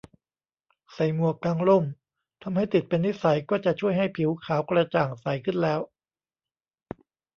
ใส่หมวก กางร่ม ทำให้ติดเป็นนิสัยก็จะช่วยให้ผิวขาวกระจ่างใสขึ้นแล้ว